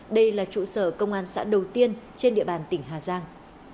đây là trụ sở công an xã đầu tiên trên địa bàn tỉnh hà giang